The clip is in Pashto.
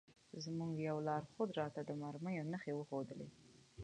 زموږ یوه لارښود راته د مرمیو نښې وښودلې.